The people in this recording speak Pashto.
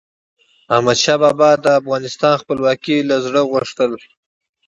احمدشاه بابا به د افغانستان خپلواکي له زړه غوښتله.